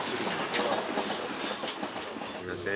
すいません。